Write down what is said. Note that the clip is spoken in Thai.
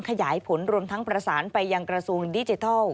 ขยายผลรวมทั้งประสานไปยังกระทรวงดิจิทัล